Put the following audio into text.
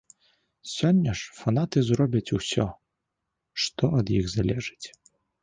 Сёння ж фанаты зробяць усё, што ад іх залежыць.